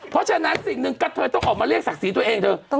เพราะฉะนั้นสิ่งหนึ่งก็เธอต้องออกมาเรียกศักดิ์ศรีตัวเองเธอ